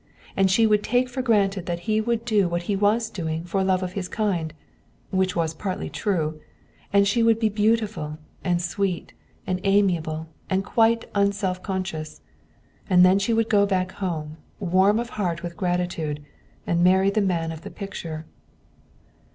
And she would take for granted that he would do what he was doing for love of his kind which was partly true; and she would be beautiful and sweet and amiable and quite unself conscious. And then she would go back home, warm of heart with gratitude, and marry the man of the picture.